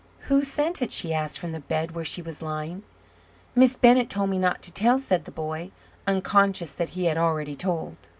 "Who sent it?" she asked, from the bed where she was lying. "Miss Bennett told me not to tell," said the boy, unconscious that he had already told.